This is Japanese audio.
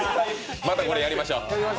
またやりましょう。